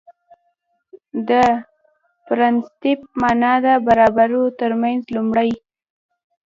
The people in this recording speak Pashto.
د پرنسېپ معنا ده برابرو ترمنځ لومړی